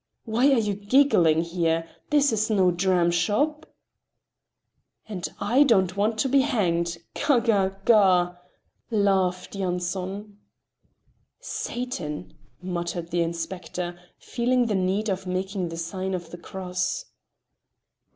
"Why are you giggling here? This is no dramshop!" "And I don't want to be hanged—ga ga ga!" laughed Yanson. "Satan!" muttered the inspector, feeling the need of making the sign of the cross.